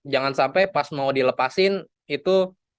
jangan sampai pas mau dilepasin itu